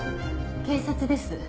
警察です。